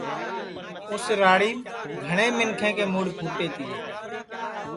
اُس راڑیم گھٹؔے منکھیں کے مُڈؔ پُھٹے تیئے